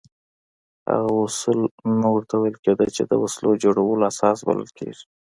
هغه اصول نه ورته ویل کېده چې د وسلو جوړولو اساس بلل کېږي.